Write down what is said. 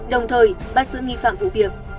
đồng thời bắt giữ nghi phạm vụ việc